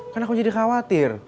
kan aku jadi khawatir